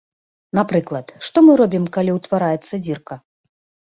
Напрыклад, што мы робім, калі ўтвараецца дзірка?